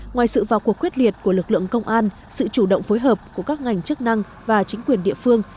ngoài sự vào cuộc quyết liệt của lực lượng công an sự chủ động phối hợp của các ngành chức năng và chính quyền địa phương